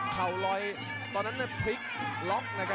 เขาลอยตอนนั้นปริกล็อค